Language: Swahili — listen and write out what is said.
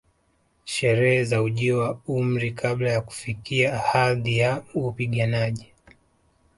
Sherehe za ujio wa umri kabla ya kufikia hadhi ya upiganaji